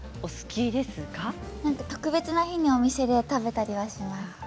特別な日にお店で食べたりはします。